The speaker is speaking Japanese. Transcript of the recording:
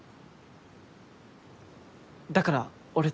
だから俺と。